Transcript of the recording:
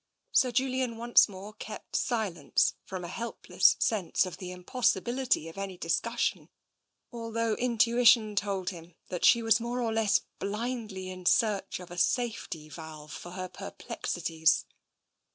Sir Julian once more kept silence from a helpless sense of the impossibility of any discussion, although intuition told him that she was more or less blindly in search of a safety valve for her perplexities.